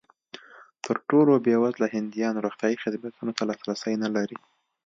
تر ټولو بېوزله هندیان روغتیايي خدمتونو ته لاسرسی نه لري.